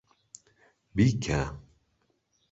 بیکە!